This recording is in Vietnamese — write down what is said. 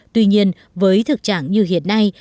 tuy nhiên với thực trạng như hiện nay